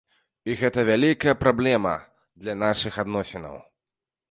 І гэта вялікая праблема для нашых адносінаў.